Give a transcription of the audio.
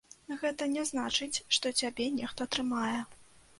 Гэта не значыць, што цябе нехта трымае.